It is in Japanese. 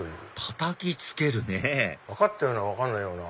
たたきつけるねぇ分かったような分かんないような。